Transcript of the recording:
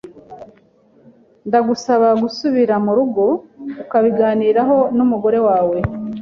Ndagusaba gusubira murugo ukabiganiraho numugore wawe.